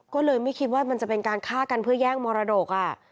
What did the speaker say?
ก็เลยไม่คิดว่ามันจะเป็นการฆ่ากันเพื่อแย่งมรดก